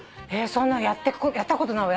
そんなんやったことない。